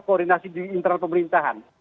koordinasi di internal pemerintahan